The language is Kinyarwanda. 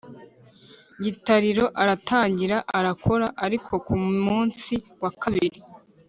gitariro aratangira arakora ariko ku munsi wa kabiri